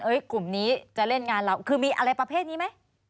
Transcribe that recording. กลุ่มนี้จะเล่นงานเราคือมีอะไรประเภทนี้ไหม